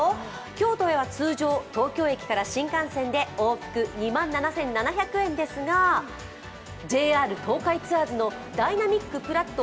京都へは通常東京駅から新幹線で往復２万７７００円ですがＪＲ東海ツアーズのダイナミックぷらっと